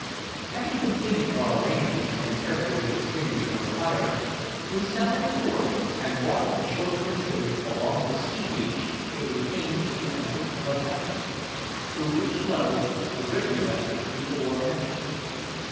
Having completed our arrangements and carefully extinguished our fire, we sallied forth and walked a short distance along the sea beach till we came to the entrance of a valley, through which flowed the rivulet before mentioned.